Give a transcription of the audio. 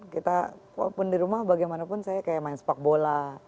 kita walaupun di rumah bagaimanapun saya kayak main sepak bola